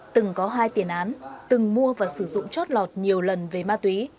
từng có hai tiền án từng mua và sử dụng chót lọt nhiều lần về ma túy